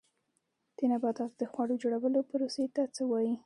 د نباتاتو د خواړو جوړولو پروسې ته څه وایي